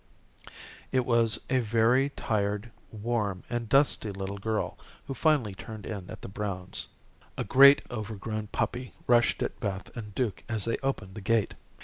It was a very tired, warm, and dusty little girl who finally turned in at the Browns'. A great, overgrown puppy rushed at Beth and Duke as they opened the gate.